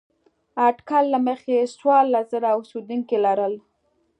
اټکل له مخې څوارلس زره اوسېدونکي لرل.